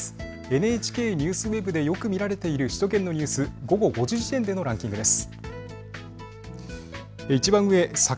ＮＨＫＮＥＷＳＷＥＢでよく見られている首都圏のニュース、午後５時時点でのランキングです。